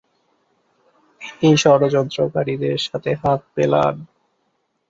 তিনি ষড়যন্ত্রকারীদের সাথে হাত মেলান।